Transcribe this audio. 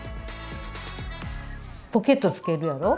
ポケットつけるやろ？